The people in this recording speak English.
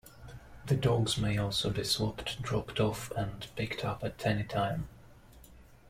The dogs may also be swapped, dropped off, and picked up at any time.